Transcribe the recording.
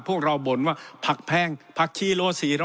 พวกเราบ่นว่าผักแพงผักชีโล๔๐๐